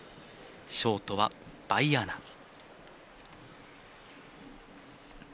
ショートは「バイアーナ」。